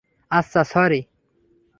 আচ্ছা, স্যরি।